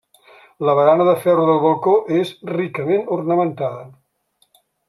La barana de ferro del balcó és ricament ornamentada.